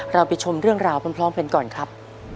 เราไปชมเรื่องราวพร้อมกันก่อนครับ